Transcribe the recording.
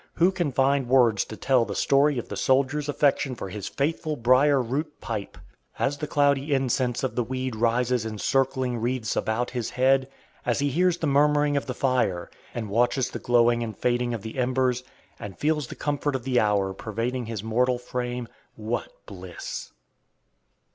Who can find words to tell the story of the soldier's affection for his faithful briar root pipe! As the cloudy incense of the weed rises in circling wreaths about his head, as he hears the murmuring of the fire, and watches the glowing and fading of the embers, and feels the comfort of the hour pervading his mortal frame, what bliss!